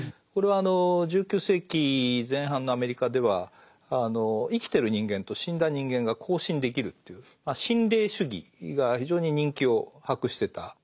これは１９世紀前半のアメリカでは生きてる人間と死んだ人間が交信できるという心霊主義が非常に人気を博してた。